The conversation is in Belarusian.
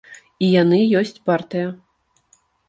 І яны ёсць партыя.